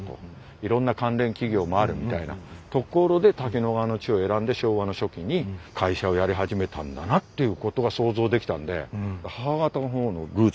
いろんな関連企業もあるみたいなところで滝野川の地を選んで昭和の初期に会社をやり始めたんだなっていうことが想像できたんで。